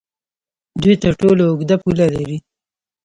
دوی تر ټولو اوږده پوله لري.